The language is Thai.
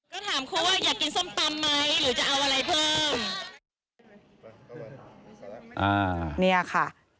ก็ถามครูว่าอยากกินส้มตำไหมหรือจะเอาอะไรเพิ่ม